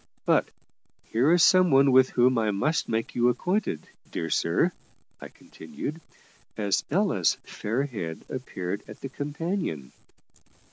But here is some one with whom I must make you acquainted, dear sir," I continued, as Ella's fair head appeared at the companion.